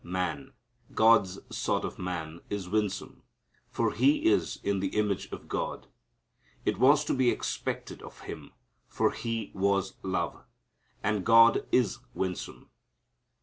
Man, God's sort of man, is winsome, for he is in the image of God. It was to be expected of Him, for He was God. And God is winsome.